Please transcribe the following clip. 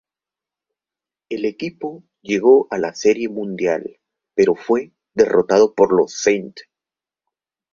El equipo llegó a la Serie Mundial, pero fue derrotado por los St.